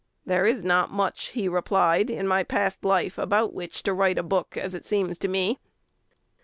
"There is not much," he replied, "in my past life about which to write a book, as it seems to me."